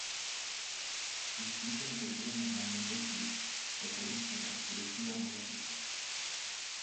El fruto no contiene normalmente semillas, lo cual es una característica muy apreciada.